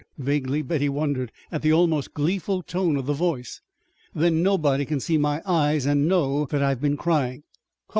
(Vaguely Betty wondered at the almost gleeful tone of the voice.) "Then nobody can see my eyes and know that I've been crying." "Ho!